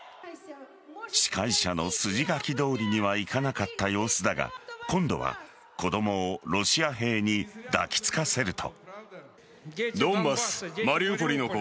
司会者の筋書きどおりにはいかなかった様子だが今度は子供をロシア兵に抱きつかせると。